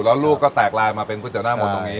แล้วลูกก็แตกลายมาเป็หนองมนต์ผู้เจ๋วน่ามนต์ตรงนี้